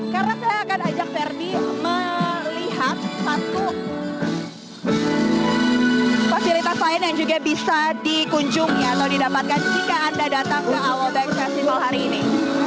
karena saya akan ajak verdi melihat satu fasilitas lain yang juga bisa dikunjungi atau didapatkan jika anda datang ke awal bank festival hari ini